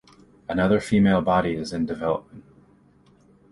Another female body is in development.